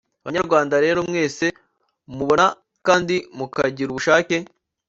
Banyarwanda rero mwese mubona kandi mukagira ubushake